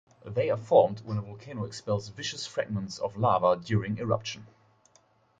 They are formed when a volcano expels viscous fragments of lava during eruption.